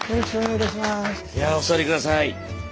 いやお座り下さい。